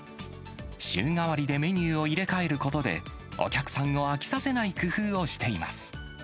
週替わりでメニューを入れ替えることで、お客さんを飽きさせない工夫をしています。